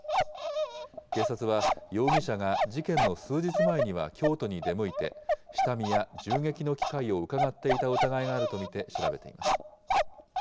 警察は、容疑者が事件の数日前には京都に出向いて、下見や銃撃の機会をうかがっていた疑いがあると見て調べています。